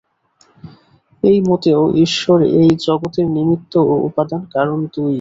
এই মতেও ঈশ্বর এই জগতের নিমিত্ত ও উপাদান-কারণ দুই-ই।